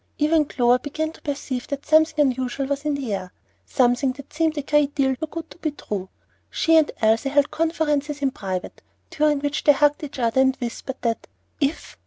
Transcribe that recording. Even Clover began to perceive that something unusual was in the air, something that seemed a great deal too good to be true. She and Elsie held conferences in private, during which they hugged each other, and whispered that "If!